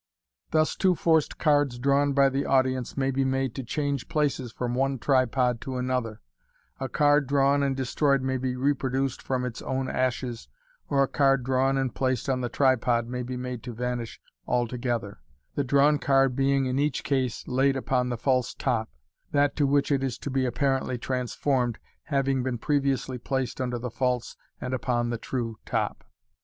Thus two forced cards drawn by the audience may be made to change places from one tripod to another, a card drawn and destroyed may be reproduced from its own ashes, or a card drawn and placed on the tripod may be made to vanish alto gether, the drawn card being in each case laid upon the false top, that to which it is to be apparently transformed having been previously placed under the false and upon the true top.